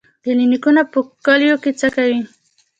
کلینیکونه په کلیو کې څه کوي؟